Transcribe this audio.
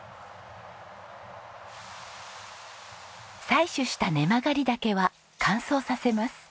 採取したネマガリダケは乾燥させます。